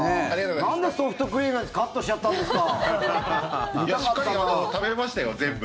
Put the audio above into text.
なんでソフトクリームのやつカットしちゃったんですか？